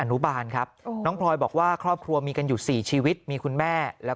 นุบาลครับน้องพลอยบอกว่าครอบครัวมีกันอยู่สี่ชีวิตมีคุณแม่แล้ว